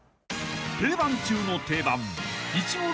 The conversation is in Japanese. ［定番中の定番］